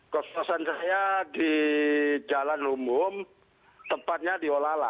kekuasaan saya di jalan rumum tepatnya di olala